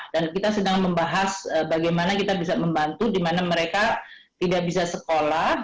dan kita sedang membahas bagaimana kita bisa membantu dimana mereka tidak bisa sekolah